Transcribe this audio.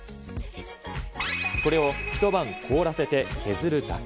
これを一晩凍らせて削るだけ。